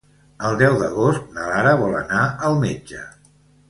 El deu d'agost na Lara vol anar al metge.